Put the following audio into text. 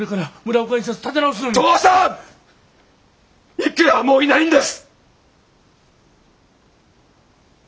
郁弥はもういないんです！